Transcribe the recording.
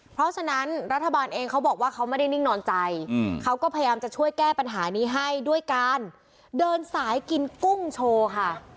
เพราะฉะนั้นรัฐบาลเองเขาบอกว่าเขาไม่ได้นิ่งนอนใจเขาก็พยายามจะช่วยแก้ปัญหานี้ให้ด้วยการเดินสายกินกุ้งโชว์ค่ะ